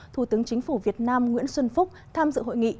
thủ tướng chính phủ việt nam nguyễn xuân phúc tham dự hội nghị